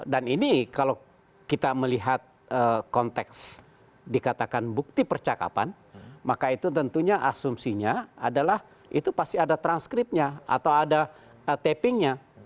dan ini kalau kita melihat konteks dikatakan bukti percakapan maka itu tentunya asumsinya adalah itu pasti ada transkripnya atau ada tapingnya